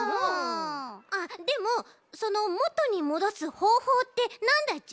あっでもそのもとにもどすほうほうってなんだち？